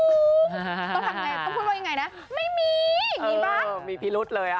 ต้องพูดว่าอย่างไรนะไม่มีมีปีรุษเลยอ่ะ